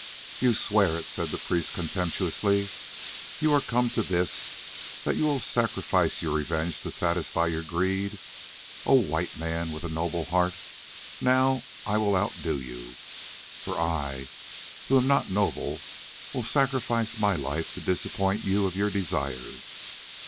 "You swear it," said the priest contemptuously: "you are come to this, that you will sacrifice your revenge to satisfy your greed, O White Man with a noble heart! Now I will outdo you, for I, who am not noble, will sacrifice my life to disappoint you of your desires.